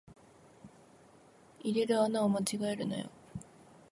入れる穴を間違えるなよ